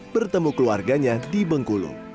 bertemu keluarganya di bengkulu